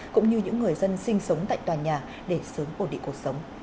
cũng như những người dân sinh sống tại tòa nhà để sớm ổn định cuộc sống